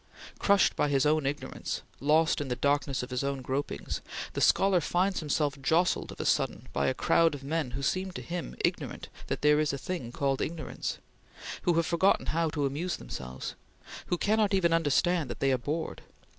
Crushed by his own ignorance lost in the darkness of his own gropings the scholar finds himself jostled of a sudden by a crowd of men who seem to him ignorant that there is a thing called ignorance; who have forgotten how to amuse themselves; who cannot even understand that they are bored.